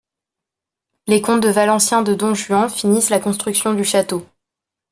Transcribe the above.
Les comtes de Valencia de Don Juan finissent la construction du château.